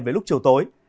với lúc chiều tối